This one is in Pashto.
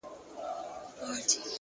چي تابه وكړې راته ښې خبري؛